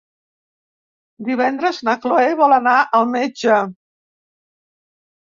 Divendres na Cloè vol anar al metge.